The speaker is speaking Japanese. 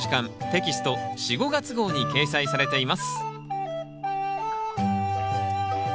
テキスト４・５月号に掲載されています